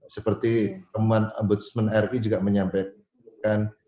seperti teman ombudsman ri juga menyampaikan